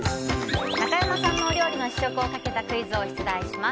中山さんのお料理の試食をかけたクイズを出題します。